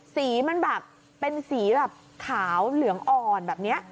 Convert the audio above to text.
สีมันแบบเป็นสีแบบขาวเหลืองอ่อนแบบนี้